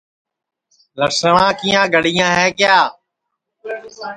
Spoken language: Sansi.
لسٹؔا کیاں گڑیاں ہے کیا